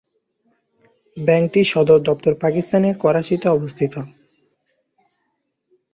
ব্যাংকটির সদর দপ্তর পাকিস্তানের করাচিতে অবস্থিত।